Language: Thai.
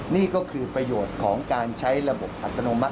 นี่ก็คือประโยชน์ของการใช้ระบบอัตโนมัติ